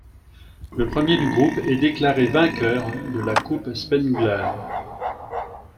Le premier du groupe est déclaré vainqueur de la Coupe Spengler.